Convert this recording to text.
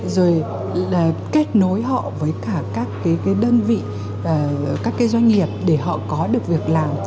rồi kết nối họ với cả các cái đơn vị các cái doanh nghiệp để họ có được việc làm